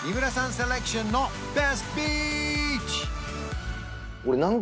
セレクションのベストビーチ！